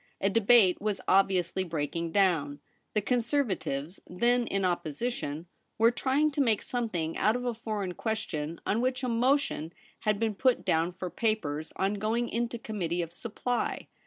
A debate was obviously breaking down ; the Conservatives, then in Opposition, were trying to make something out of a foreign question on which a motion had been put down for papers ' on going into Committee of Supply.'